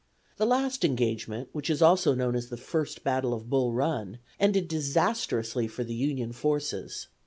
The last engagement, which is also known as the first battle of Bull Run, ended disastrously for the Union forces.